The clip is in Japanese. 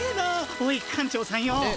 おい館長さんよ。え？